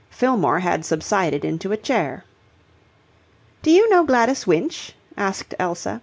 Fillmore had subsided into a chair. "Do you know Gladys Winch?" asked Elsa.